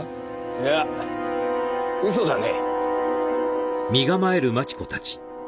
いや嘘だね。